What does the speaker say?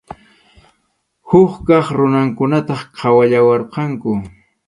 Huk kaq runakunataq qhawallawarqanku.